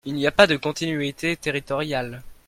Il n’y a pas de continuité territoriale.